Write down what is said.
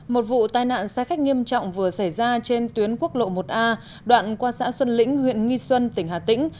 một vụ tai nạn xe khách nghiêm trọng vừa xảy ra trên tuyến quốc lộ một a đoạn qua xã xuân lĩnh huyện nghi xuân tỉnh hà tĩnh